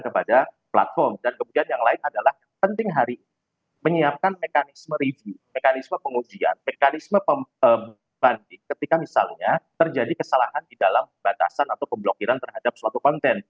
pembatasan konten itu diperluas oleh pemerintah dan kemudian yang lain adalah penting hari ini menyiapkan mekanisme review mekanisme pengujian mekanisme pembanding ketika misalnya terjadi kesalahan di dalam pembatasan atau pemblokiran terhadap suatu konten